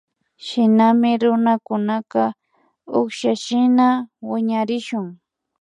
Shinami runakunaka ukshashina wiñarishun